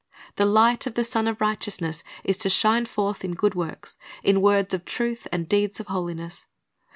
The light of the Sun of Righteousness is to shine forth in good works, — in words of truth and deeds of holiness.